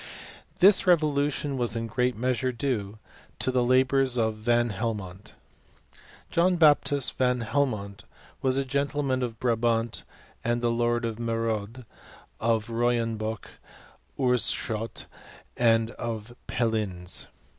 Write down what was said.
Thii revolution was in a great measure due to the labours of Van Helmont, John Baptist Van Helmont was a gentleman of Brabant, and Lord of Metode, of Royenboch, of Oorschot, and of Pellines.